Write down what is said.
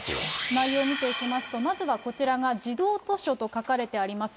内容を見ていきますと、まずはこちらが児童図書と書かれてあります